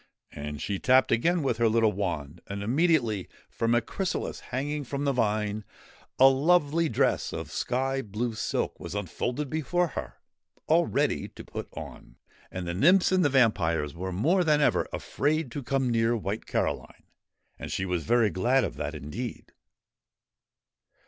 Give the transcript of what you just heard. And she tapped again with her little wand, and, immediately, from a chrysalis hanging from the vine, a lovely dress of sky blue silk was unfolded before her, all ready to put on. And the nymphs and the vampires were more than ever afraid to come near White Caroline, and she was very glad of that indeed.